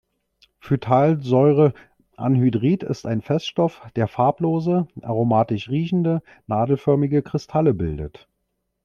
Phthalsäureanhydrid ist ein Feststoff, der farblose, aromatisch riechende, nadelförmige Kristalle bildet.